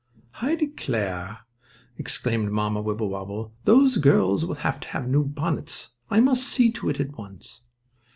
"I declare," exclaimed Mamma Wibblewobble, "those girls will have to have new bonnets. I must see to it at once."